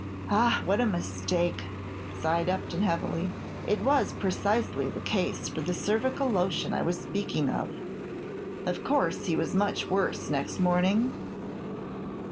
"Ah! what a mistake," sighed Upton, heavily. "It was precisely the case for the cervical lotion I was speaking of. Of course he was much worse next morning?"